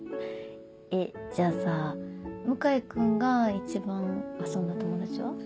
えじゃあさ向井君が一番遊んだ友達は？